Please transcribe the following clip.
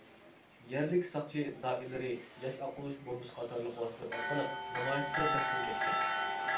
يەرلىك ساقچى دائىرىلىرى ياش ئاققۇزۇش بومبىسى قاتارلىق ۋاسىتىلەر ئارقىلىق نامايىشچىلار بىلەن تىركەشكەن.